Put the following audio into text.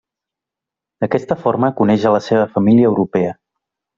D'aquesta forma coneix a la seva família europea.